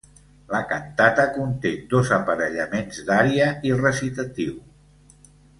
La cantata conté dos aparellaments d'ària i recitatiu.